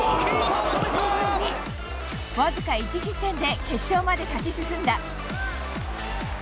わずか１失点で決勝まで勝ち進んだ。